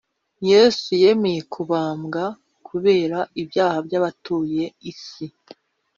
yesu yemeye kubambwa kubera ibyaha by’abatuye isi